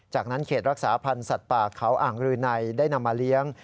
จากนั้นเขตรักษาพันธ์สัตว์ป่าเขาอ่างรืนัยได้นำมาเลี้ยง